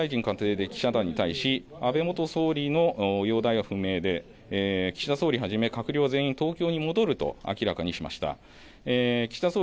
松野官房長官は先ほど総理大臣官邸で記者団に対し安倍元総理の容体は不明で岸田総理始め閣僚全員東京に戻ると明らかにしました。